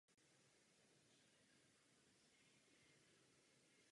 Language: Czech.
Vystudoval dějiny umění a angličtinu na univerzitě v Záhřebu.